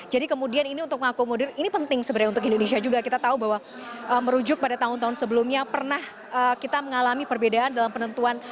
jadi kemudian ini untuk mengakomodir ini penting sebenarnya untuk indonesia juga kita tahu bahwa merujuk pada tahun tahun sebelumnya pernah kita mengalami perbedaan dalam penentuan